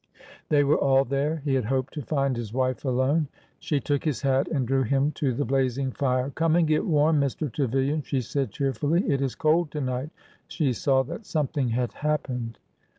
They were all there. He had hoped to find his wife alone. She took his hat and drew him to the blazing fire. Come and get warm, Mr. Trevilian,'^ she said cheer fully. '' It is cold to night.'' She saw that something had happened.